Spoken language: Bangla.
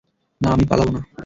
না, আমি পালাবো না।